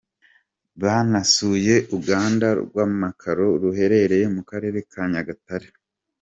Banasuye Uruganda rw’amakaro ruherereye mu Karere ka Nyagatare.